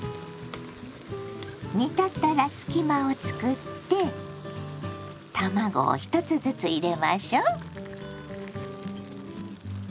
煮立ったら隙間をつくって卵を１つずつ入れましょう。